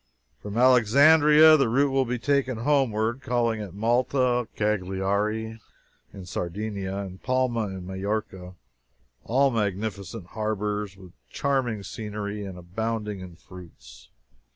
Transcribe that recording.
From Alexandria the route will be taken homeward, calling at Malta, Cagliari (in Sardinia), and Palma (in Majorca), all magnificent harbors, with charming scenery, and abounding in fruits.